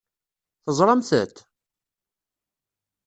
Teẓṛamt-t?